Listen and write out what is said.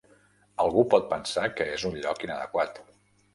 Algú pot pensar que és un lloc inadequat.